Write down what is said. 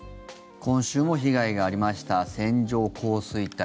今週も被害がありました線状降水帯。